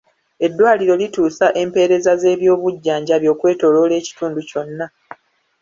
Eddwaaliro lituusa empeereza z'ebyobujjanjabi okwetooloola ekitundu kyonna.